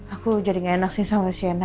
aku jadi gak enak sih sama sienna